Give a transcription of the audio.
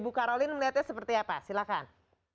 bu karolyn melihatnya seperti apa silahkan